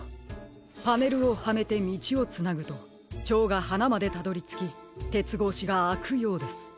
パネルをはめてみちをつなぐとチョウがはなまでたどりつきてつごうしがあくようです。